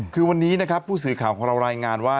คือวันนี้นะครับผู้สื่อข่าวของเรารายงานว่า